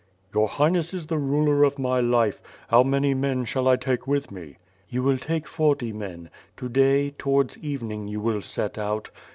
"Your Highness is the ruler of my life. How many men shall I take with me?" "You wiW take forty men. To day, towards evening, you will set out.